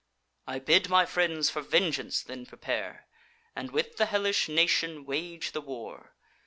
I bid my friends for vengeance then prepare, And with the hellish nation wage the war.